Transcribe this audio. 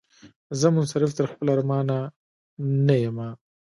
زه منصرف تر خپل ارمان نه یمه